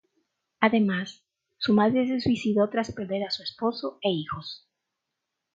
Además, su madre se suicidó tras perder a su esposo e hijos.